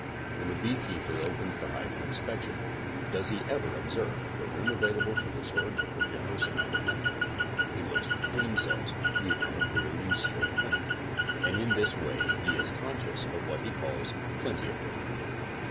When the beekeeper opens the hive for inspection, does he \ 20 CONSTRUCTIVE BEEKEEPING ever observe the room available for the storage of a generous amount of nectar. He looks for queen cells, the amount of brood and sealed honey, and in this way he is conscious of what he calls plenty of room.